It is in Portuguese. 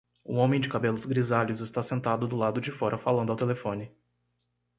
Um homem de cabelos grisalhos está sentado do lado de fora falando ao telefone.